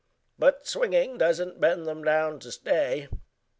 But swinging doesn't bend them down to stay.